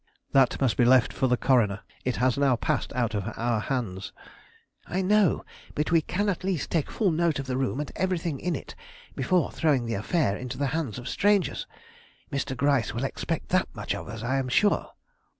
"That must be left for the coroner. It has now passed out of our hands." "I know; but we can at least take full note of the room and everything in it before throwing the affair into the hands of strangers. Mr. Gryce will expect that much of us, I am sure."